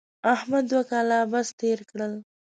احمد دوه کاله عبث تېر کړل.